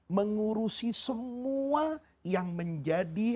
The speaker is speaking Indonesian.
mengurusi semua yang menjadi